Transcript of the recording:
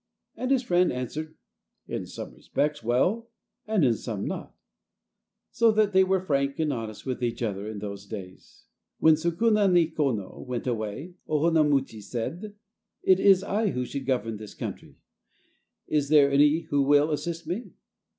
And his friend answered: "In some respects well, and in some not," so that they were frank and honest with each other in those days. When Sukunahikona went away, Ohonamuchi said: "It is I who should govern this country. Is there any who will assist me?"